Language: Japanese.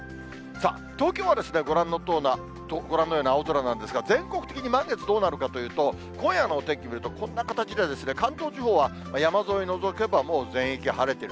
東京はご覧のような青空なんですが、全国的に満月どうなるかというと、今夜のお天気見ると、こんな形で、関東地方は山沿い除けばもう全域晴れている。